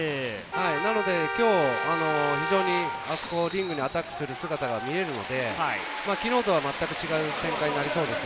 なので今日、リングにアタックする姿が見られるので、昨日とはまったく展開になりそうです。